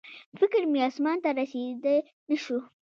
فکر مې اسمان ته رسېدی نه شو